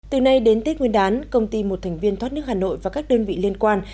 từ nay đến tết nguyên đán công ty một thành viên thoát nước hà nội và các đơn vị liên quan